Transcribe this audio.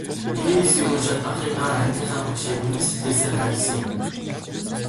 Би энэ хэсгийг уншаад ахыгаа, ангийнхаа багшийг үнэн сэтгэлээсээ хайрласан юм.